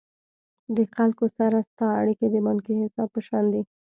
د خلکو سره ستا اړیکي د بانکي حساب په شان دي.